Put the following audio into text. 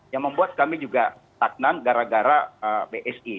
yang membuat kami juga taknan gara gara bsi